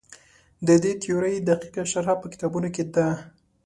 د دې تیورۍ دقیقه شرحه په کتابونو کې ده.